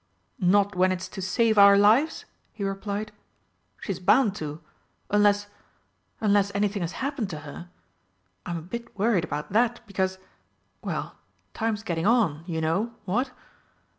"Not when it's to save our lives?" he replied. "She's bound to unless unless anything has happened to her. I'm a bit worried about that, because well, time's getting on, you know what?"